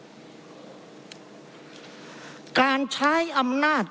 เพราะเรามี๕ชั่วโมงครับท่านนึง